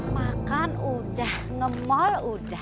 makan udah nge mall udah